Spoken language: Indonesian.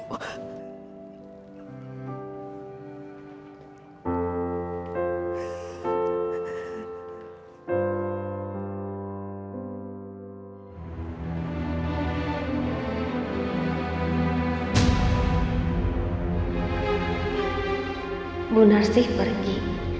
ibu harus pergi